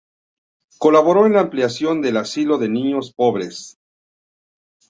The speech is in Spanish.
Colaboró en la ampliación del asilo de niños pobres "St.